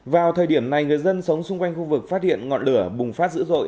vào thời điểm này người dân sống xung quanh khu vực phát hiện ngọn lửa bùng phát dữ dội